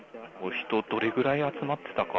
人、どれぐらい集まってたか？